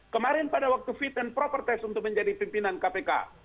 kemarin pada waktu fit and proper test untuk menjadi pimpinan kpk